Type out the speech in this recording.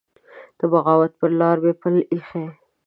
د بغاوت پر لار مي پل يښی